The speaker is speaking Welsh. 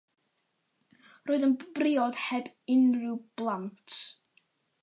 Roedd yn briod heb unrhyw blant.